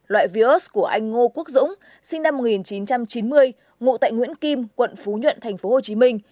loại vios của anh ngô quốc dũng sinh năm một nghìn chín trăm chín mươi ngụ tại nguyễn kim quận phú nhuận tp hcm